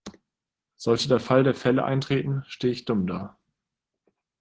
Sollte der Fall der Fälle eintreten, stehe ich dumm da.